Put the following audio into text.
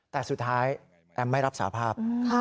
แต่สุดท้ายแอมไม่รับสาภาพ